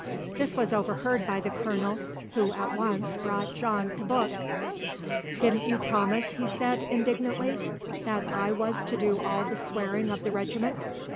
This was overheard by the Colonel, who at once brought John to book. 'Didn't you promise,' he said, indignantly, 'that I was to do all the swearing of the regiment?